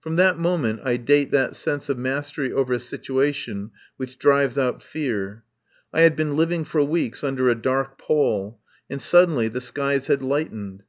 From that moment I date that sense of mastery over a situation which drives out fear. I had been living for weeks under a dark pall and suddenly the skies had light ened.